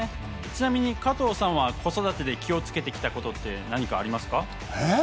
ちなみに加藤さんは子育てで気をつけてきたことって何かありますか？